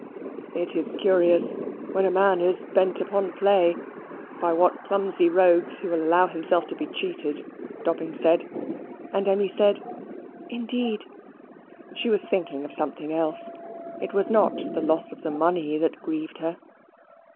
"It is curious, when a man is bent upon play, by what clumsy rogues he will allow himself to be cheated," Dobbin said; and Emmy said, "Indeed." She was thinking of something else. It was not the loss of the money that grieved her.